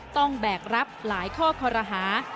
แบกรับหลายข้อคอรหา